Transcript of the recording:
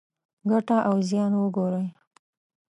ګټه او زیان وګورئ.